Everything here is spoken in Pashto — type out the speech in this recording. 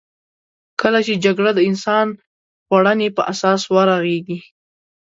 کله چې جګړه د انسان خوړنې په اساس ورغېږې.